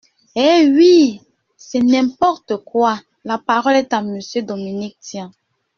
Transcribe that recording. Eh oui ! C’est n’importe quoi ! La parole est à Monsieur Dominique Tian.